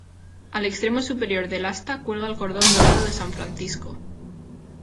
Al extremo superior del asta cuelga el cordón dorado de San Francisco.